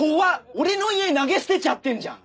俺の遺影投げ捨てちゃってんじゃん。